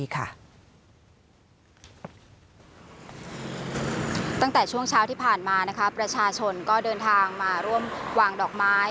ตั้งแต่ช่วงเช้าที่ผ่านมาประชาชนก็เดินทางมาร่วมวางดอกไม้